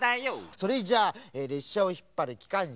それじゃあれっしゃをひっぱるきかんしゃはこれ。